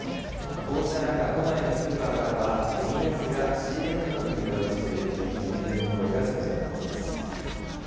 こうした中、都内のスーパーからは、円安が仕入れ価格に及ぼす影響に懸念の声が強まっています。